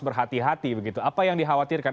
berhati hati begitu apa yang dikhawatirkan